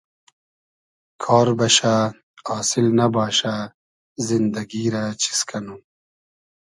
کار بئشۂ آسیل نئباشۂ زیندئگی رۂ چیز کئنوم